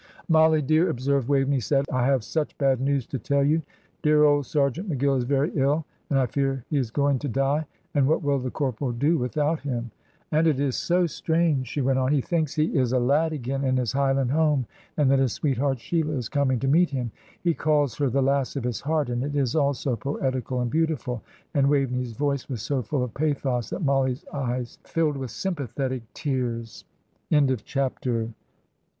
"Mollie, dear," observed Waveney, sadly, "I have such bad news to tell you: dear old Sergeant McGill is very ill, and I fear he is going to die; and what will the corporal do without him? And it is so strange;" she went on, "he thinks he is a lad again, in his Highland home, and that his sweetheart Sheila is coming to meet him. He calls her the lass of his heart, and it is all so poetical and beautiful;" and Waveney's voice was so full of pathos that Mollie's eyes filled with sympathetic tears. CHAPTER XI.